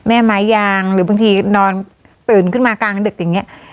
แม่ไม้ยางหรือบางทีนอนตื่นขึ้นมากลางดึกอย่างนี้